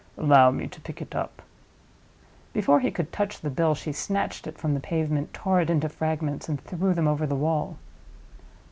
Allow me to pick it up." Before he could touch the bill she snatched it from the pavement, tore it into fragments, and threw them over the wall.